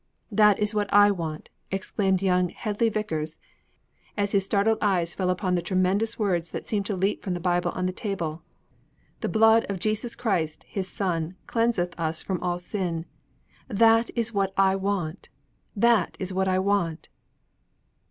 'That is what I want!' exclaimed young Hedley Vicars, as his startled eyes fell upon the tremendous words that seemed to leap from the Bible on the table. 'The blood of Jesus Christ, His Son, cleanseth us from all sin.' 'That is what I want! That is what I want!'